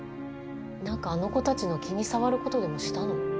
なんかあの子たちの気に障る事でもしたの？